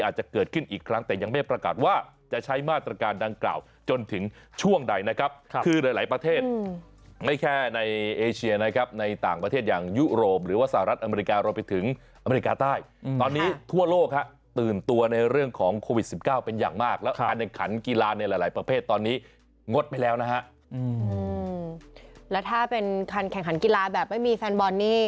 อาจจะเกิดขึ้นอีกครั้งแต่ยังไม่ประกาศว่าจะใช้มาตรการดังกล่าวจนถึงช่วงใดนะครับคือหลายประเทศไม่แค่ในเอเชียนะครับในต่างประเทศอย่างยุโรปหรือว่าสหรัฐอเมริการวมไปถึงอเมริกาใต้ตอนนี้ทั่วโลกฮะตื่นตัวในเรื่องของโควิด๑๙เป็นอย่างมากแล้วการแข่งขันกีฬาในหลายประเภทตอนนี้งดไปแล้วนะฮะและถ้าเป็นการแข่งขันกีฬาแบบไม่มีแฟนบอลนี่